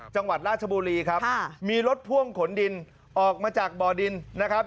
จังหวัดราชบุรีครับมีรถพ่วงขนดินออกมาจากบ่อดินนะครับ